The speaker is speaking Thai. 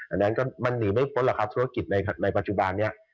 อันนั้นก็มันหนีไม่พ้นหรอกครับธุรกิจในปัจจุบันนี้